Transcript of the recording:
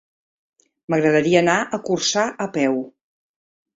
M'agradaria anar a Corçà a peu.